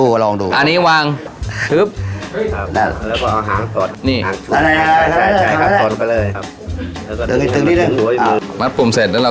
ดูอ่ะลองดูอันนี้วางพื้นเป็นจุดเลยครับ